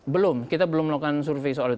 belum kita belum melakukan survei soal itu